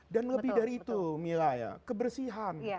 dan lebih dari itu milaya kebersihan